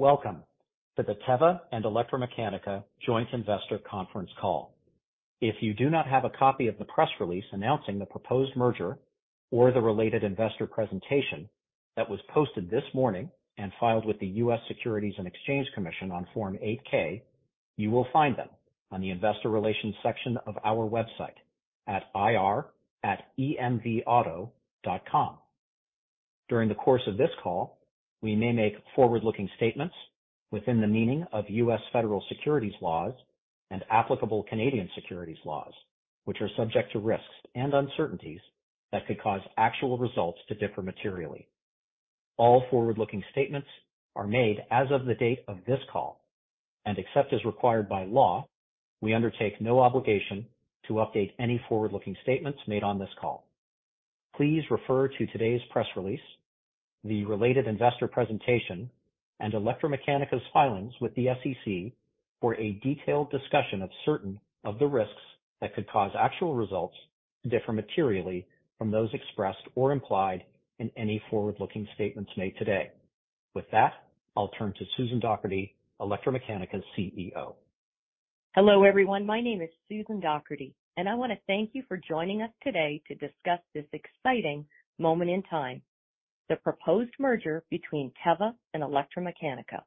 Welcome to the Tevva and ElectraMeccanica Joint Investor Conference Call. If you do not have a copy of the press release announcing the proposed merger or the related investor presentation that was posted this morning and filed with the U.S. Securities and Exchange Commission on Form 8-K, you will find them on the investor relations section of our website at ir@emvauto.com. During the course of this call, we may make forward-looking statements within the meaning of U.S. federal securities laws and applicable Canadian securities laws, which are subject to risks and uncertainties that could cause actual results to differ materially. All forward-looking statements are made as of the date of this call, and except as required by law, we undertake no obligation to update any forward-looking statements made on this call. Please refer to today's press release, the related investor presentation, and ElectraMeccanica's filings with the SEC for a detailed discussion of certain of the risks that could cause actual results to differ materially from those expressed or implied in any forward-looking statements made today. With that, I'll turn to Susan Docherty, ElectraMeccanica's CEO. Hello, everyone. My name is Susan Docherty, and I want to thank you for joining us today to discuss this exciting moment in time, the proposed merger between Tevva and ElectraMeccanica.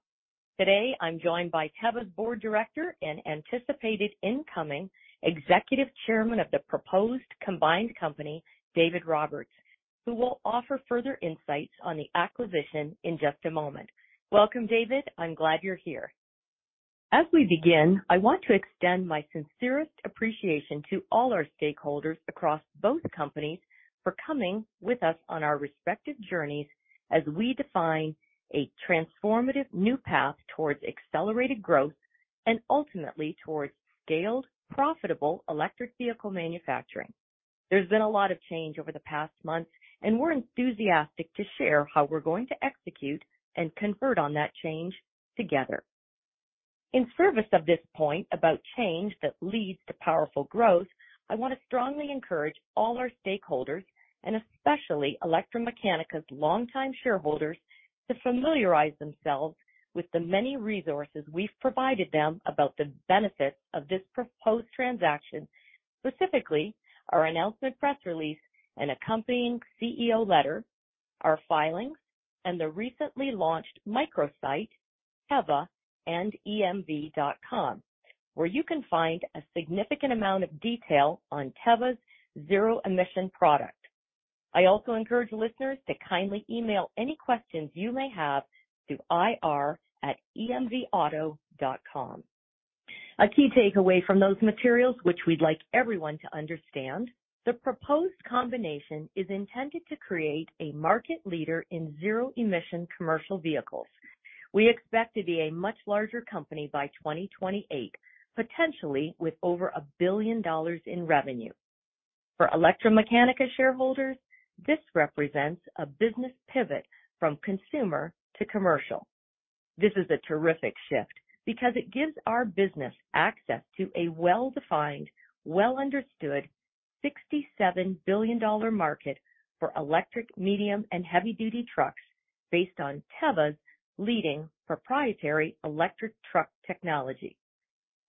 Today, I'm joined by Tevva's board director and anticipated incoming executive chairman of the proposed combined company, David Roberts, who will offer further insights on the acquisition in just a moment. Welcome, David. I'm glad you're here. As we begin, I want to extend my sincerest appreciation to all our stakeholders across both companies for coming with us on our respective journeys as we define a transformative new path towards accelerated growth and ultimately towards scaled, profitable electric vehicle manufacturing. We're enthusiastic to share how we're going to execute and convert on that change together. In service of this point about change that leads to powerful growth, I want to strongly encourage all our stakeholders, and especially ElectraMeccanica's longtime shareholders, to familiarize themselves with the many resources we've provided them about the benefits of this proposed transaction, specifically our announcement press release and accompanying CEO letter, our filings, and the recently launched microsite, tevvaandemv.com, where you can find a significant amount of detail on Tevva's zero-emission product. I also encourage listeners to kindly email any questions you may have to ir@emvauto.com. A key takeaway from those materials, which we'd like everyone to understand, the proposed combination is intended to create a market leader in zero-emission commercial vehicles. We expect to be a much larger company by 2028, potentially with over $1 billion in revenue. For ElectraMeccanica shareholders, this represents a business pivot from consumer to commercial. This is a terrific shift because it gives our business access to a well-defined, well-understood $67 billion market for electric, medium, and heavy-duty trucks based on Tevva's leading proprietary electric truck technology.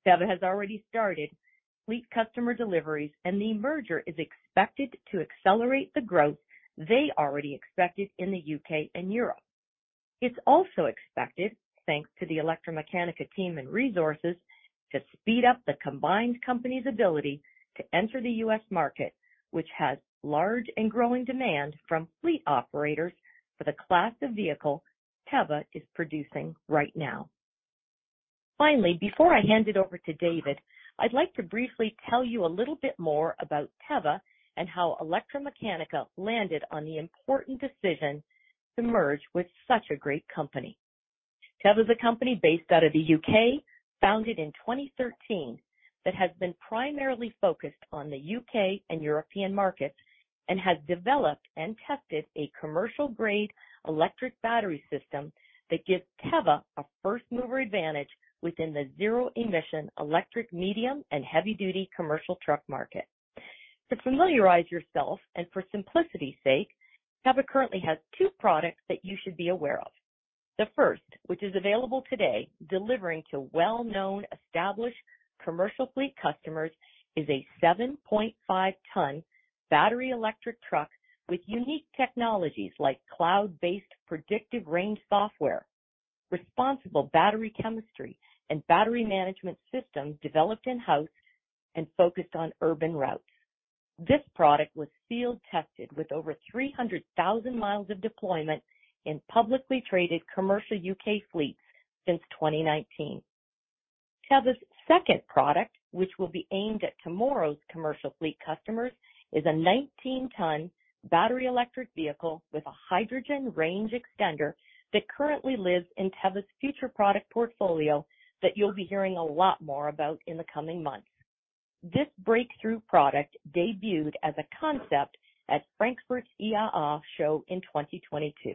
Tevva has already started fleet customer deliveries, and the merger is expected to accelerate the growth they already expected in the UK and Europe. It's also expected, thanks to the ElectraMeccanica team and resources, to speed up the combined company's ability to enter the US market, which has large and growing demand from fleet operators for the class of vehicle Tevva is producing right now. Finally, before I hand it over to David, I'd like to briefly tell you a little bit more about Tevva and how ElectraMeccanica landed on the important decision to merge with such a great company. Tevva is a company based out of the U.K., founded in 2013, that has been primarily focused on the U.K. and European markets and has developed and tested a commercial-grade electric battery system that gives Tevva a first-mover advantage within the zero-emission electric, medium, and heavy-duty commercial truck market. To familiarize yourself and for simplicity's sake, Tevva currently has two products that you should be aware of. The first, which is available today, delivering to well-known, established commercial fleet customers, is a 7.5-ton battery-electric truck with unique technologies like cloud-based predictive range software, responsible battery chemistry, and battery management systems developed in-house and focused on urban routes. This product was field-tested with over 300,000 miles of deployment in publicly traded commercial U.K. fleets since 2019. Tevva's second product, which will be aimed at tomorrow's commercial fleet customers, is a 19-ton battery electric vehicle with a hydrogen range extender that currently lives in Tevva's future product portfolio that you'll be hearing a lot more about in the coming months. This breakthrough product debuted as a concept at Frankfurt's IAA show in 2022.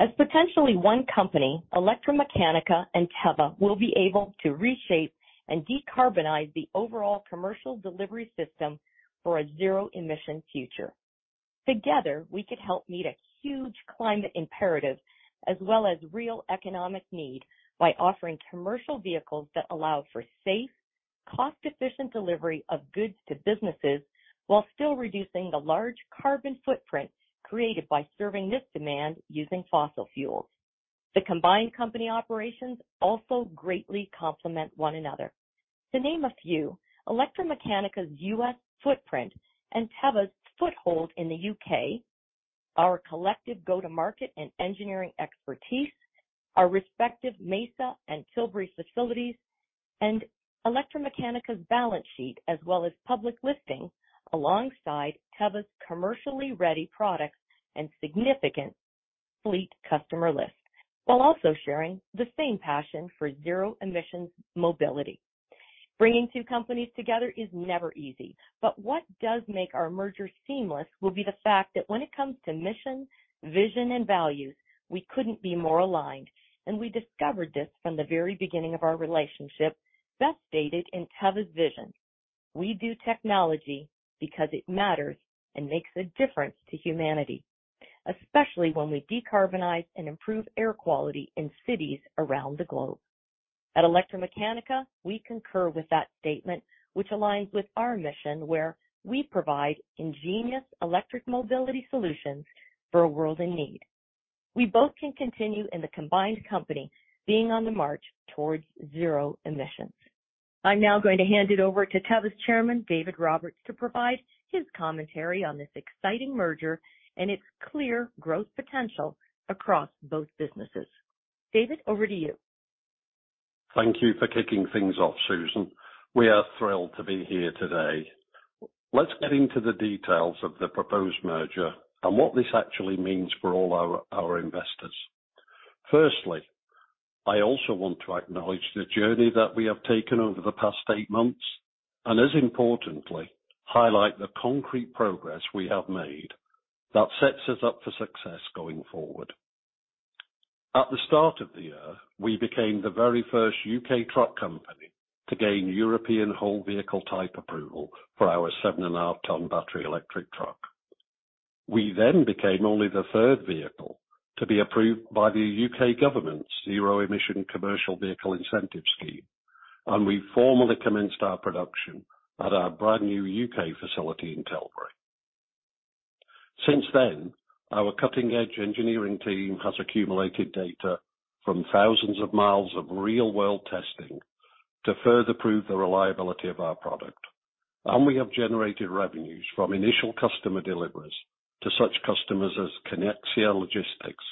As potentially one company, ElectraMeccanica and Tevva will be able to reshape and decarbonize the overall commercial delivery system for a zero-emission future. Together, we could help meet a huge climate imperative as well as real economic need by offering commercial vehicles that allow for safe, cost-efficient delivery of goods to businesses, while still reducing the large carbon footprint created by serving this demand using fossil fuels. The combined company operations also greatly complement one another. To name a few, ElectraMeccanica's U.S. footprint and Tevva's foothold in the U.K., our collective go-to-market and engineering expertise, our respective Mesa and Tilbury facilities, and ElectraMeccanica's balance sheet as well as public listing, alongside Tevva's commercially ready products and significant fleet customer list, while also sharing the same passion for zero emissions mobility. What does make our merger seamless will be the fact that when it comes to mission, vision, and values, we couldn't be more aligned. We discovered this from the very beginning of our relationship, best stated in Tevva's vision: We do technology because it matters and makes a difference to humanity, especially when we decarbonize and improve air quality in cities around the globe. At ElectraMeccanica, we concur with that statement, which aligns with our mission, where we provide ingenious electric mobility solutions for a world in need. We both can continue in the combined company being on the march towards zero emissions. I'm now going to hand it over to Tevva's chairman, David Roberts, to provide his commentary on this exciting merger and its clear growth potential across both businesses. David, over to you. Thank you for kicking things off, Susan. We are thrilled to be here today. Let's get into the details of the proposed merger and what this actually means for all our, our investors. Firstly, I also want to acknowledge the journey that we have taken over the past 8 months, and as importantly, highlight the concrete progress we have made that sets us up for success going forward. At the start of the year, we became the very first UK truck company to gain European Whole Vehicle Type Approval for our 7.5-ton battery-electric truck. We then became only the 3rd vehicle to be approved by the UK government's Zero Emission Commercial Vehicle Incentive Scheme, and we formally commenced our production at our brand new UK facility in Tilbury. Since then, our cutting-edge engineering team has accumulated data from thousands of miles of real-world testing to further prove the reliability of our product. We have generated revenues from initial customer deliveries to such customers as Connexia Logistics,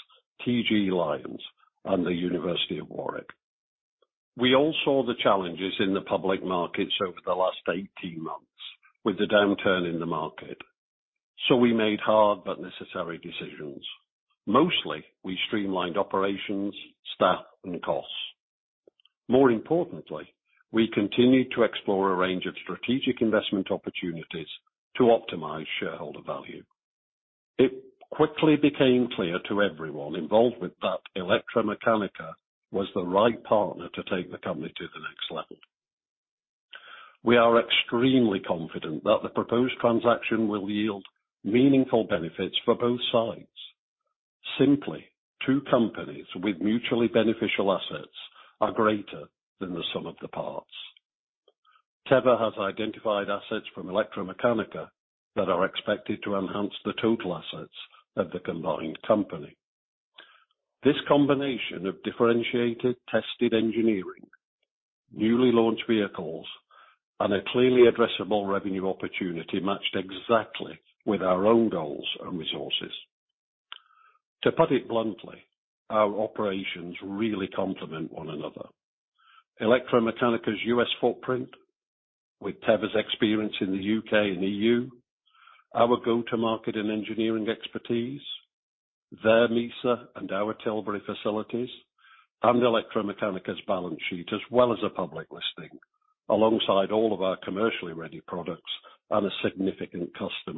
TG Lynes, and the University of Warwick. We all saw the challenges in the public markets over the last 18 months with the downturn in the market, so we made hard but necessary decisions. Mostly, we streamlined operations, staff, and costs. More importantly, we continued to explore a range of strategic investment opportunities to optimize shareholder value. It quickly became clear to everyone involved with that ElectraMeccanica was the right partner to take the company to the next level. We are extremely confident that the proposed transaction will yield meaningful benefits for both sides. Simply, 2 companies with mutually beneficial assets are greater than the sum of the parts. Tevva has identified assets from ElectraMeccanica that are expected to enhance the total assets of the combined company. This combination of differentiated, tested engineering, newly launched vehicles, and a clearly addressable revenue opportunity matched exactly with our own goals and resources. To put it bluntly, our operations really complement one another. ElectraMeccanica's U.S. footprint, with Tevva's experience in the U.K. and E.U., our go-to-market and engineering expertise, their Mesa and our Tilbury facilities, and ElectraMeccanica's balance sheet, as well as a public listing, alongside all of our commercially ready products and a significant customer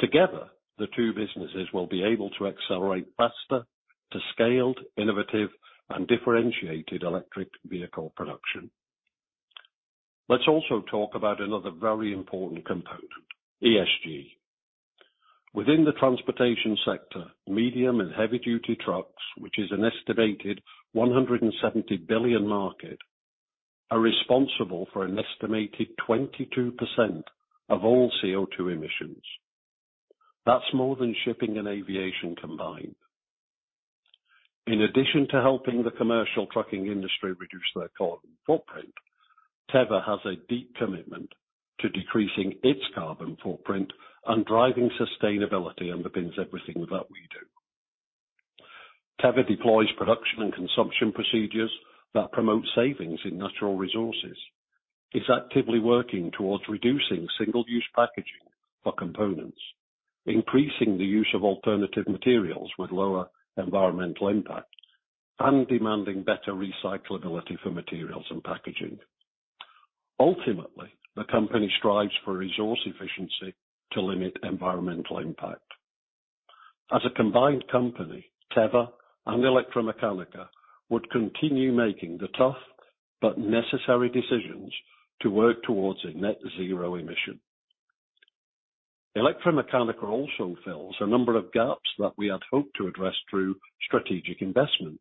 list. Together, the two businesses will be able to accelerate faster to scaled, innovative, and differentiated electric vehicle production. Let's also talk about another very important component, ESG. Within the transportation sector, medium and heavy-duty trucks, which is an estimated $170 billion market, are responsible for an estimated 22% of all CO2 emissions. That's more than shipping and aviation combined. In addition to helping the commercial trucking industry reduce their carbon footprint, Tevva has a deep commitment to decreasing its carbon footprint, and driving sustainability underpins everything that we do. Tevva deploys production and consumption procedures that promote savings in natural resources. It's actively working towards reducing single-use packaging for components, increasing the use of alternative materials with lower environmental impact, and demanding better recyclability for materials and packaging. Ultimately, the company strives for resource efficiency to limit environmental impact. As a combined company, Tevva and ElectraMeccanica would continue making the tough but necessary decisions to work towards a net zero emission. ElectraMeccanica also fills a number of gaps that we had hoped to address through strategic investment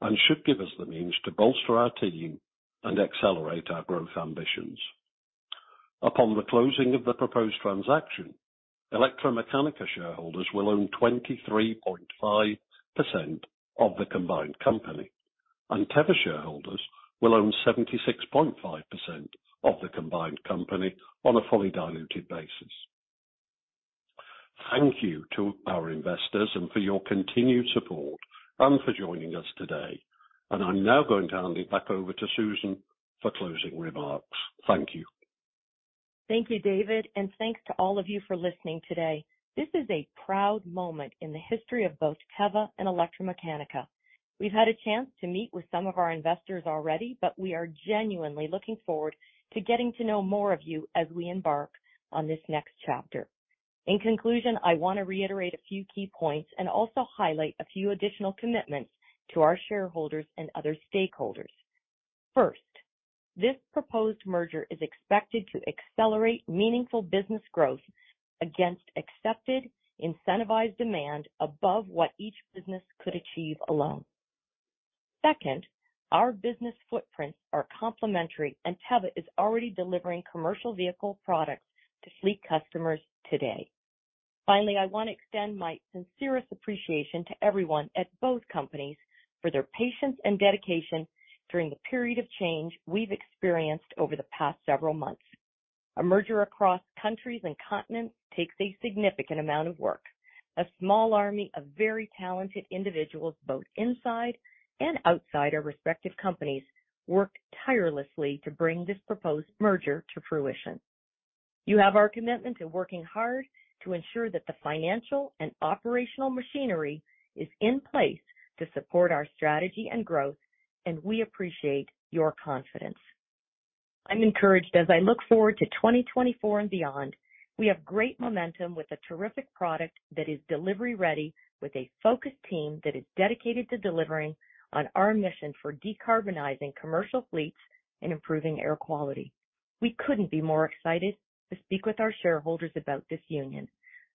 and should give us the means to bolster our team and accelerate our growth ambitions. Upon the closing of the proposed transaction, ElectraMeccanica shareholders will own 23.5% of the combined company, and Tevva shareholders will own 76.5% of the combined company on a fully diluted basis. Thank you to our investors, and for your continued support and for joining us today. I'm now going to hand it back over to Susan for closing remarks. Thank you. Thank you, David, and thanks to all of you for listening today. This is a proud moment in the history of both Tevva and ElectraMeccanica. We've had a chance to meet with some of our investors already, but we are genuinely looking forward to getting to know more of you as we embark on this next chapter. In conclusion, I want to reiterate a few key points and also highlight a few additional commitments to our shareholders and other stakeholders. First, this proposed merger is expected to accelerate meaningful business growth against accepted, incentivized demand above what each business could achieve alone. Second, our business footprints are complementary, and Tevva is already delivering commercial vehicle products to fleet customers today. Finally, I want to extend my sincerest appreciation to everyone at both companies for their patience and dedication during the period of change we've experienced over the past several months. A merger across countries and continents takes a significant amount of work. A small army of very talented individuals, both inside and outside our respective companies, worked tirelessly to bring this proposed merger to fruition. You have our commitment to working hard to ensure that the financial and operational machinery is in place to support our strategy and growth, and we appreciate your confidence. I'm encouraged as I look forward to 2024 and beyond. We have great momentum with a terrific product that is delivery ready, with a focused team that is dedicated to delivering on our mission for decarbonizing commercial fleets and improving air quality. We couldn't be more excited to speak with our shareholders about this union.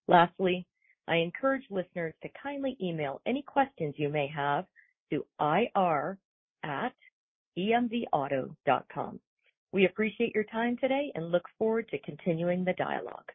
Lastly, I encourage listeners to kindly email any questions you may have to ir@emvauto.com. We appreciate your time today and look forward to continuing the dialogue.